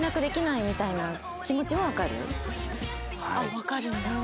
わかるんだ。